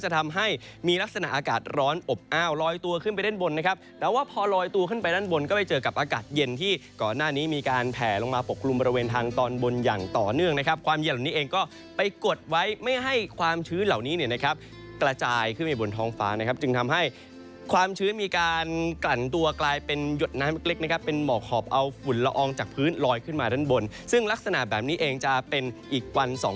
ที่ก่อนหน้านี้มีการแผลลงมาปกลุ่มบริเวณทางตอนบนอย่างต่อเนื่องนะครับความเย็นเหล่านี้เองก็ไปกดไว้ไม่ให้ความชื้นเหล่านี้เนี่ยนะครับกระจายขึ้นบนท้องฟ้านะครับจึงทำให้ความชื้นมีการกลั่นตัวกลายเป็นหยดน้ำเล็กนะครับเป็นหมอกหอบเอาฝุ่นละอองจากพื้นลอยขึ้นมาด้านบนซึ่งลักษณะแบบนี้เองจะเป็นอ